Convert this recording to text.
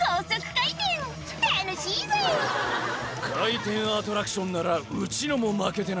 「回転アトラクションならうちのも負けてないぜ」